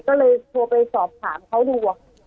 ก็เลยโทรไปสอบถามเขาดู